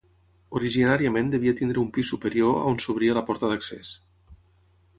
Originàriament devia tenir un pis superior on s'obria la porta d'accés.